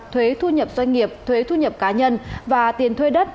thuế thu nhập doanh nghiệp thuế thu nhập cá nhân và tiền thuê đất